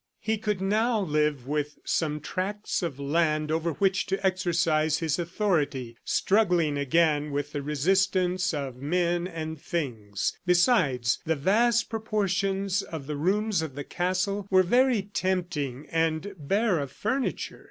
He could now live with some tracts of land over which to exercise his authority, struggling again with the resistance of men and things. Besides, the vast proportions of the rooms of the castle were very tempting and bare of furniture.